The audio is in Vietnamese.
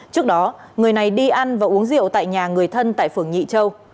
trước đó người này đi ăn và uống rượu tại nhà người thân tại phường nhị châu